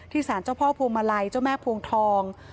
สารเจ้าพ่อพวงมาลัยเจ้าแม่พวงทอง